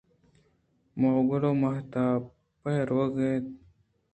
-ماھگُل ءُ مھتاپ روگ ءَ اِت اَنت۔